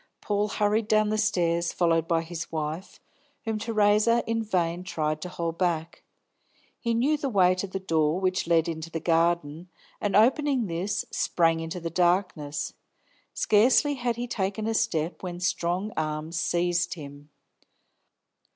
Paul hurried down the stairs, followed by his wife, whom Theresa in vain tried to hold back He knew the way to the door which led into the garden, and opening this, sprang into the darkness. Scarcely had he taken a step, when strong arms seized him.